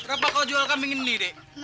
kenapa kau jual kambing ini dek